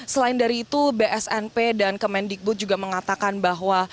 selain dari itu bsnp dan kemendikbud juga mengatakan bahwa